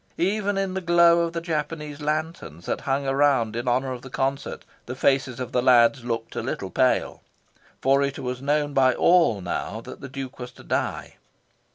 Even in the glow of the Japanese lanterns that hung around in honour of the concert, the faces of the lads looked a little pale. For it was known by all now that the Duke was to die.